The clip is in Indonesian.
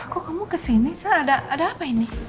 kok kamu kesini saya ada apa ini